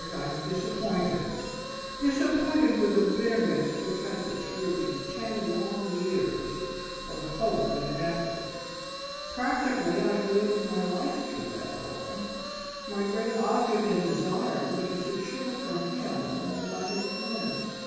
I'm disappointed disappointed with a bitterness which has its root in ten long years of hope and effort. Practically I have lived my life through that boy. My great object and desire was to secure for him all that I had missed.